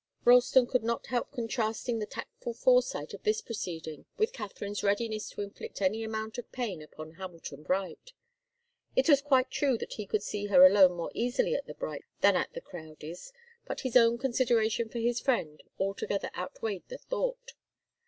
Ralston could not help contrasting the tactful foresight of this proceeding with Katharine's readiness to inflict any amount of pain upon Hamilton Bright. It was quite true that he could see her alone more easily at the Brights' than at the Crowdies', but his own consideration for his friend altogether outweighed the thought.